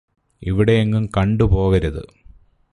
ഇവിടെയെങ്ങും കണ്ടുപോകരുത്